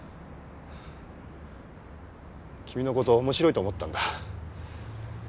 君のこと面白いと思ったんだ。